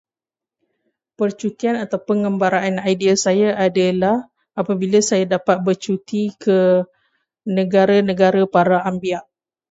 Percutian atau pengembaraan ideal saya adalah apabila saya dapat bercuti ke negara-negara para anbia.